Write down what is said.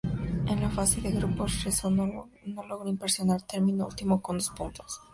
En la fase de grupos Rosenborg no logró impresionar, terminó último con dos puntos.